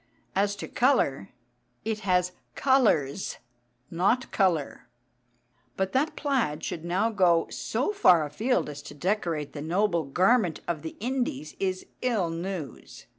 As to colour, it has colours, not colour. But that plaid should now go so far afield as to decorate the noble garment of the Indies is ill news.